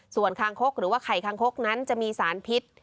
ส่วนคางคกหรือว่าไข่คางคกนั้นจะมีสารพิษ